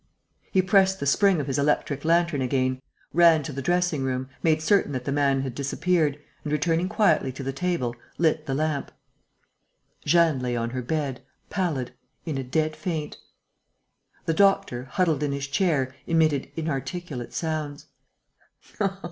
He pressed the spring of his electric lantern again, ran to the dressing room, made certain that the man had disappeared and, returning quietly to the table, lit the lamp. Jeanne lay on her bed, pallid, in a dead faint. The doctor, huddled in his chair, emitted inarticulate sounds.